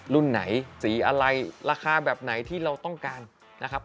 รุ่นไหนสีอะไรราคาแบบไหนที่เราต้องการนะครับ